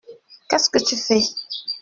Qu’est-ce que tu fais?